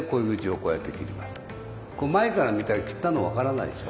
こう前から見たら切ったの分からないでしょ？